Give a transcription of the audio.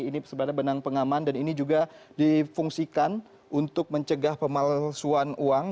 ini sebenarnya benang pengaman dan ini juga difungsikan untuk mencegah pemalsuan uang